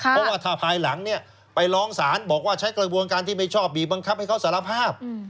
เพราะว่าถ้าภายหลังเนี่ยไปร้องศาลบอกว่าใช้กระบวนการที่ไม่ชอบบีบบังคับให้เขาสารภาพ